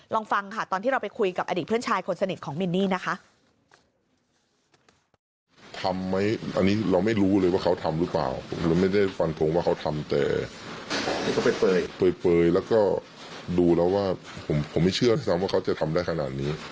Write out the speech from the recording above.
ลองฟังค่ะตอนที่เราไปคุยกับอดีตเพื่อนชายคนสนิทของมินนี่นะคะ